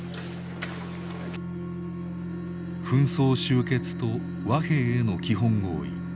紛争終結と和平への基本合意